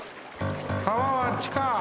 かわはあっちか。